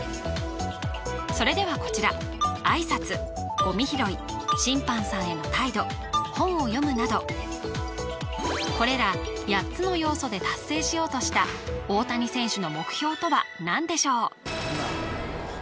それではこちら「あいさつ」「ゴミ拾い」「審判さんへの態度」「本を読む」などこれら８つの要素で達成しようとした大谷選手の目標とは何でしょう？